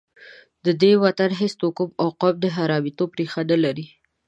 د دې وطن هېڅ توکم او قوم د حرامیتوب ریښه نه لري.